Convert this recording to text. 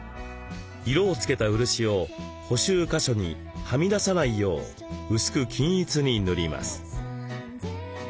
色を付けた漆を補修箇所にはみ出さないよう薄く均一に塗ります。